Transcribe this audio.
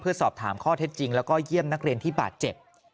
เพื่อสอบถามข้อเท็จจริงแล้วก็เยี่ยมนักเรียนที่บาดเจ็บ